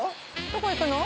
どこ行くの？